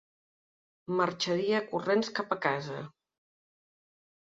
Marxaria corrents cap a casa!